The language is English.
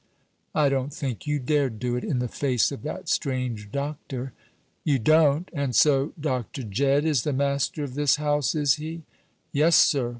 "I don't think you dare do it, in the face of that strange doctor." "You don't? And so Dr. Jedd is the master of this house, is he?" "Yes, sir.